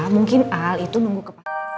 mungkin al itu nunggu kepala